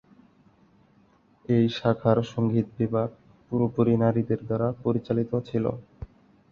এই শাখার সঙ্গীত বিভাগ পুরোপুরি নারীদের দ্বারা পরিচালিত ছিল।